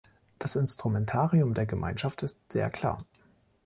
Das Instrumentarium der Gemeinschaft ist sehr klar.